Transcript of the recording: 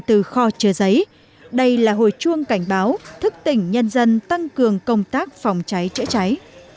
từ kho chứa giấy đây là hồi chuông cảnh báo thức tỉnh nhân dân tăng cường công tác phòng cháy chữa cháy